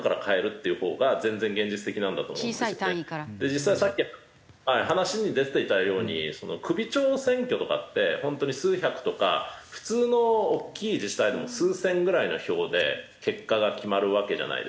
実際さっき話に出ていたように首長選挙とかって本当に数百とか普通の大きい自治体でも数千ぐらいの票で結果が決まるわけじゃないですか。